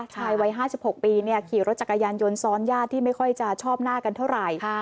ชายวัย๕๖ปีขี่รถจักรยานยนต์ซ้อนญาติที่ไม่ค่อยจะชอบหน้ากันเท่าไหร่